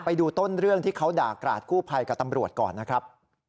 ไปดูต้นเรื่องที่เขาด่ากราดกู้ภัยกับตำรวจก่อนนะครับ